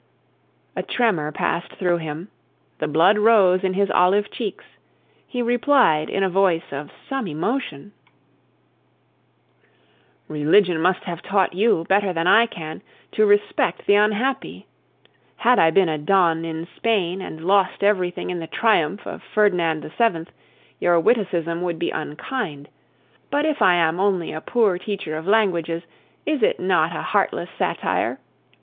A tremor passed through him, the blood rose in his olive cheeks; he replied in a voice of some emotion: "Religion must have taught you, better than I can, to respect the unhappy. Had I been a don in Spain, and lost everything in the triumph of Ferdinand VII., your witticism would be unkind; but if I am only a poor teacher of languages, is it not a heartless satire?